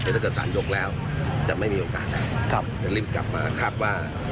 ถ้าเกิดสารยกแล้วจะไม่มีโอกาสนะครับจะรีบกลับมาคาดว่า